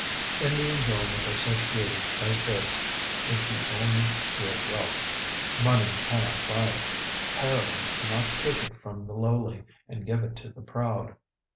In the enjoyment of such beauty as this is the only real wealth. Money cannot buy it. Hirelings cannot take it from the lowly and give it to the proud.